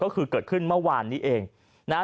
ก็คือเกิดขึ้นเมื่อวานนี้เองนะฮะ